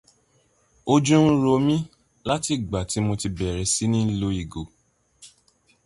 Ojú ń ro mí láti ìgbà tí mo ti bẹ̀rẹ̀ sí ní lo ìgò.